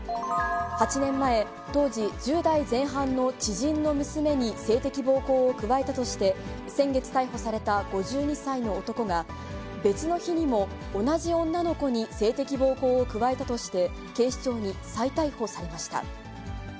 ８年前、当時１０代前半の知人の娘に性的暴行を加えたとして、先月逮捕された５２歳の男が、別の日にも同じ女の子に性的暴行を加えたとして、警視庁に再逮捕されました。